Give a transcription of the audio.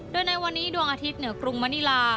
โดยในวันนี้ดวงอาทิตย์เหนือกรุงมณีลา